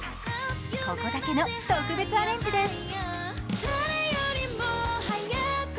ここだけの特別アレンジです。